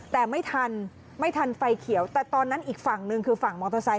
แต่ไม่ทันไม่ทันไฟเขียวแต่ตอนนั้นอีกฝั่งหนึ่งคือฝั่งมอเตอร์ไซค